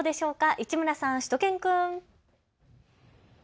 市村さん、しゅと犬くん。